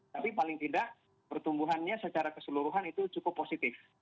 tapi paling tidak pertumbuhannya secara keseluruhan itu cukup positif